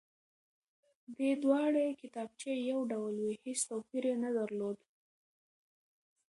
دې دواړې کتابچې يو ډول وې هېڅ توپير يې نه درلود،